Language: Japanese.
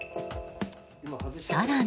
更に。